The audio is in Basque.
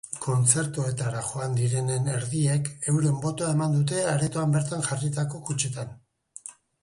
Kontzertuetara joan direnen erdiek euren botoa eman dute aretoan bertan jarritako kutxetan.